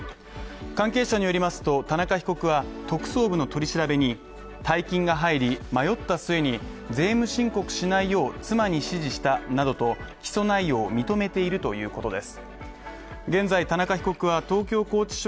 関係者によりますと田中被告は特捜部の取り調べに大金が入り、迷った末に、税務申告しないよう、妻に指示したなどと起訴内容を認めているということです。